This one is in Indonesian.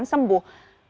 atau bisa sembuh